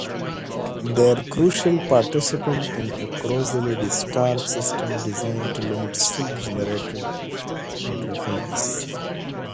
They are crucial participants in a corollary discharge system designed to limit self-generated interference.